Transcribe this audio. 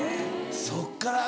そっから。